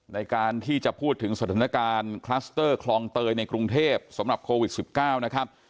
ในการที่จะพูดถึงสถานการณ์คลัสเตอร์คลองเตยในกรุงเทพสำหรับโควิด๑๙นะครับ